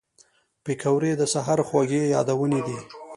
پکورې د سهر خوږې یادونې دي